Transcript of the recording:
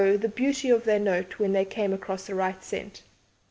the beauty of their note when they came across the right scent!)